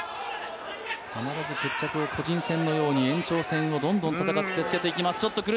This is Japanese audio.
必ず決着を個人戦のように、延長戦をどんどん戦ってつけていきます。